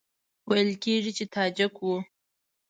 ویل کېږي چې تاجک وو.